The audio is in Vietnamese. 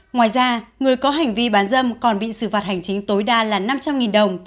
ngoài ra người có hành vi bán dâm còn bị xử phạt hành chính tối đa là năm trăm linh đồng